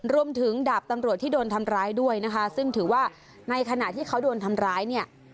ดาบตำรวจที่โดนทำร้ายด้วยนะคะซึ่งถือว่าในขณะที่เขาโดนทำร้ายเนี่ย